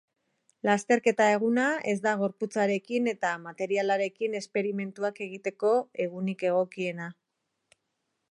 Lasterketa eguna ez da gorputzarekin eta materialarekin esperimentuak egiteko egunik egokiena.